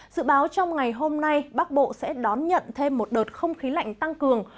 dự báo trong ngày hôm nay bắc bộ sẽ đón nhận thêm một đợt không khí lạnh tăng cường